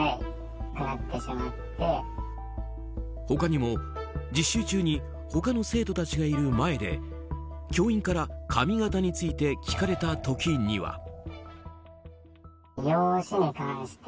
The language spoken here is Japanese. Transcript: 他にも、実習中に他の生徒たちがいる前で教員から髪形について聞かれた時には。